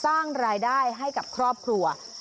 สร้างรายได้ให้กับครอบครัว